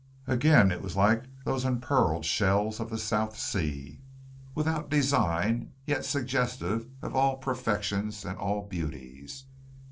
Again it was like those impearled shells of the South Sea, without design yet suggestive of all perfections and all beauties.